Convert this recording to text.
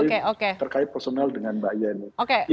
terkait personal dengan mbak yeni